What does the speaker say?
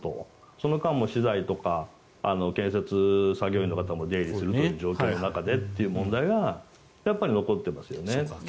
その間も資材とか建設作業員の方も出入りするという状況の中でという問題が残ってますよね。